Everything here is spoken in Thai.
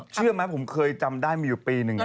เชื่อไหมผมเคยจำได้มีอยู่ปีหนึ่ง